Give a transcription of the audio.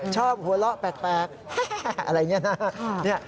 ชอบหัวเราะแปลกอะไรอย่างนี้นะ